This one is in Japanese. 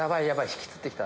引きつってきた。